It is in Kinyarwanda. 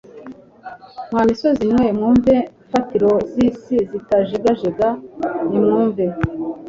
mwa misozi mwe, namwe mfatiro z'isi zitajegajega, nimwumve